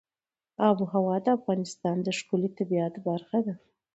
آب وهوا د افغانستان د ښکلي طبیعت برخه ده.